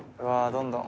どんどん。